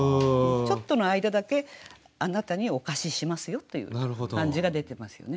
ちょっとの間だけあなたにお貸ししますよという感じが出てますよね。